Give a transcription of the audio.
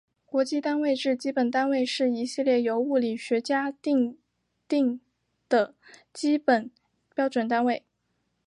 国际单位制基本单位是一系列由物理学家订定的基本标准单位。